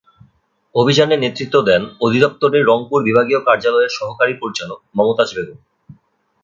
অভিযানে নেতৃত্ব দেন অধিদপ্তরের রংপুর বিভাগীয় কার্যালয়ের সহকারী পরিচালক মমতাজ বেগম।